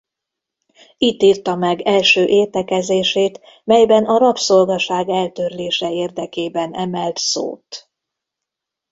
Itt írta meg első értekezését melyben a rabszolgaság eltörlése érdekében emelt szót.